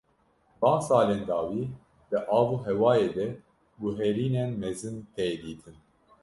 Van salên dawî di avûhewayê de guherînên mezin tê dîtin.